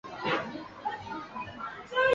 这也是后秦的最后一个年号。